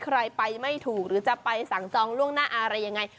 ใครไปไม่ถูกหรือจะไปสั่งจองล่วงหน้าอะไรยังไง